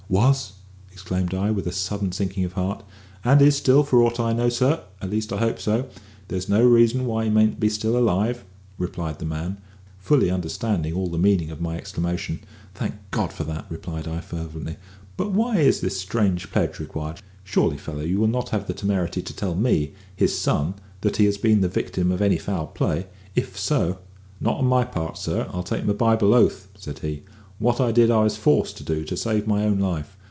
"Was?" exclaimed I, with a sudden sinking of heart. "And is still, for aught I know, sir; at least I hope so; there's no reason why he mayn't be still alive," replied the man, fully understanding all the meaning of my exclamation. "Thank God for that," replied I fervently. "But why is this strange pledge required? Surely, fellow, you will not have the temerity to tell me his son that he has been the victim of any foul play? If so " "Not on my part, sir, I'll take my Bible oath," said he, "What I did I was forced to do to save my own life.